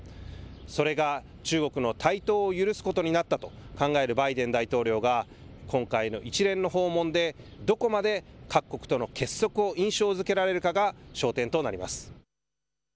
それが中国の台頭を許すことになったと考えるバイデン大統領が、今回の一連の訪問で、どこまで各国との結束を印象づけられるかが焦点となります。